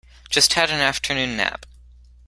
Just had an afternoon nap.